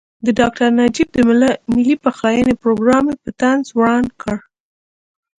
د ډاکټر نجیب د ملي پخلاینې پروګرام یې په طنز وران کړ.